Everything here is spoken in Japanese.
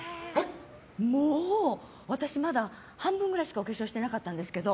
もう、私まだ半分くらいしかお化粧してなかったんですけど。